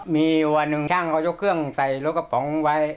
มีวันหนึ่งช่างเขายกเครื่องใส่รถกระป๋องไว้